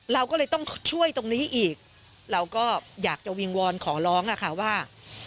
เราก็เลยต้องช่วยตรงนี้อีกเราก็อยากจะวิงวอนขอร้องอะค่ะว่า